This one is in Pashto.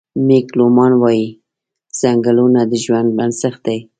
مېګ لومان وايي: "ځنګلونه د ژوند بنسټ دی.